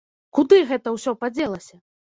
Куды гэта ўсё падзелася?!